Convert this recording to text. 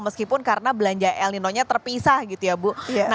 meskipun karena belanja el nino nya terpisah gitu ya bu